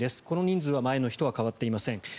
この人数は前の日とは変わっていません。